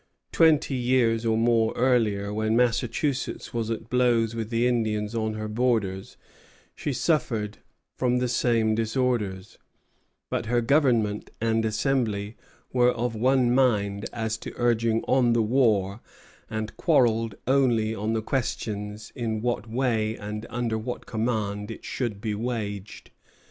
Twenty years or more earlier, when Massachusetts was at blows with the Indians on her borders, she suffered from the same disorders; but her Governor and Assembly were of one mind as to urging on the war, and quarrelled only on the questions in what way and under what command it should be waged.